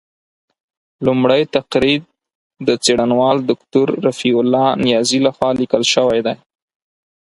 لومړۍ تقریض د څېړنوال دوکتور رفیع الله نیازي له خوا لیکل شوی دی.